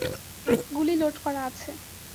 গুলি লোড করা আছে।